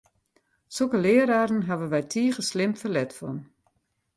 Sokke leararen hawwe wy tige slim ferlet fan!